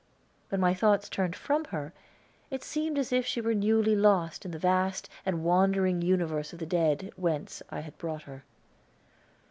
When my thoughts turned from her, it seemed as if she were newly lost in the vast and wandering Universe of the Dead, whence I had brought her.